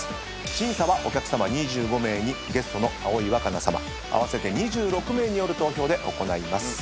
審査はお客さま２５名にゲストの葵わかなさま合わせて２６名による投票で行います。